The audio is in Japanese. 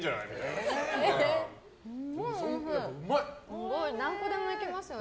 すごい、何個でもいけますよね。